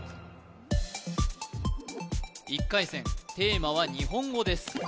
１回戦テーマは日本語です